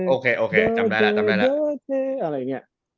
อ๋อโอเคจำได้แล้วจำได้แล้ว